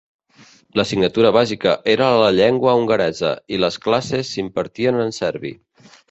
L'assignatura bàsica era la llengua hongaresa i les classes s'impartien en serbi.